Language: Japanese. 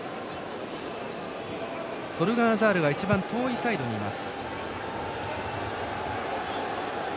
トルガン・アザールは一番遠いサイドにいます。